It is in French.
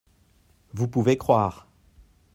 vous pouvez croire.